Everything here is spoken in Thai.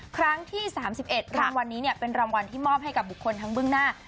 ครั้งที่สามสิบเอ็ดครั้งวันนี้เนี่ยเป็นรางวัลที่มอบให้กับบุคคลทั้งเบื้องหน้า